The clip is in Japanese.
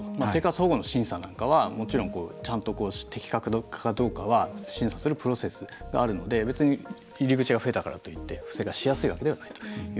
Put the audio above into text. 生活保護の審査なんかはもちろんちゃんと的確かどうかは審査するプロセスがあるので別に入り口が増えたからといってしやすいわけではない。